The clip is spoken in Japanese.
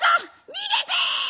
逃げて！」。